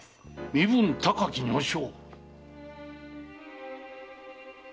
身分高き女性。